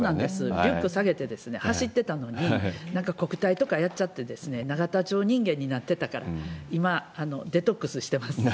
１歩下げて走ってたのに、なんか国対とかやっちゃって、永田町人間になってたから、今、デトックスしてます。